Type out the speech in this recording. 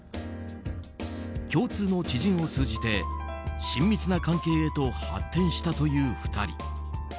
共通の知人を通じて親密な関係へと発展したという２人。